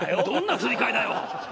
どんなすり替えだよ！